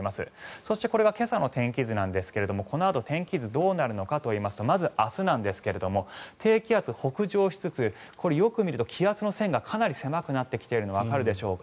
そしてこれは今朝の天気図なんですがこのあと天気図がどうなるのかといいますとまず明日ですが低気圧、北上しつつこれ、よく見ると気圧の線がかなり狭くなってきているのがわかるでしょうか。